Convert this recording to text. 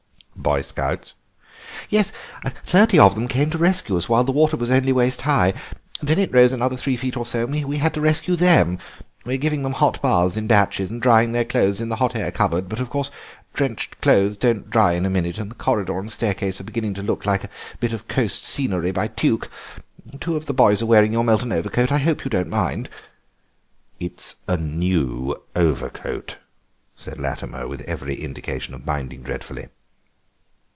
"Boy Scouts?" "Yes, thirty of them came to rescue us while the water was only waist high; then it rose another three feet or so and we had to rescue them. We're giving them hot baths in batches and drying their clothes in the hot air cupboard, but, of course, drenched clothes don't dry in a minute, and the corridor and staircase are beginning to look like a bit of coast scenery by Tuke. Two of the boys are wearing your Melton overcoat; I hope you don't mind." "It's a new overcoat," said Latimer, with every indication of minding dreadfully.